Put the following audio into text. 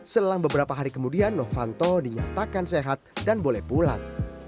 selang beberapa hari kemudian novanto dinyatakan sehat dan boleh pulang